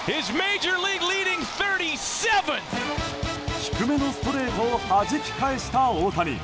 低めのストレートを弾き返した大谷。